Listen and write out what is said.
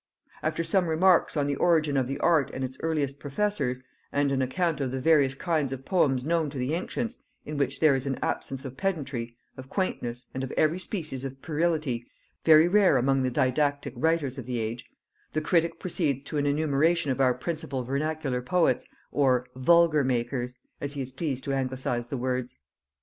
After some remarks on the origin of the art and its earliest professors, and an account of the various kinds of poems known to the ancients, in which there is an absence of pedantry, of quaintness, and of every species of puerility, very rare among the didactic writers of the age, the critic proceeds to an enumeration of our principal vernacular poets, or "vulgar makers," as he is pleased to anglicize the words.